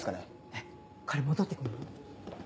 えっ彼戻って来るの？